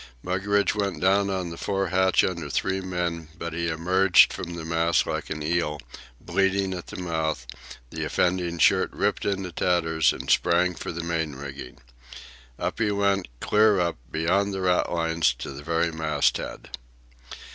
Mugridge went down on the fore hatch under three men; but he emerged from the mass like an eel, bleeding at the mouth, the offending shirt ripped into tatters, and sprang for the main rigging. Up he went, clear up, beyond the ratlines, to the very masthead.